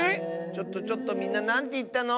ちょっとちょっとみんななんていったの？